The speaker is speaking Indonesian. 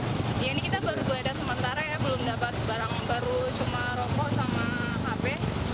ya ini kita baru belajar sementara ya belum dapat barang baru cuma rokok sama hb